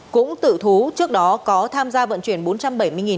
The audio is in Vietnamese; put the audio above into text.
cũng tự thú trước đó có tham gia vận chuyển bốn trăm linh tỷ đồng